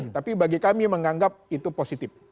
tapi bagi kami menganggap itu positif